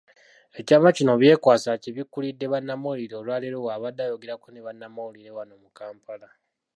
Ekyama kino Byekwaso akibikkulidde bannamawulire olwaleero bw'abadde ayogerako ne bannamawulire wano mu Kampala.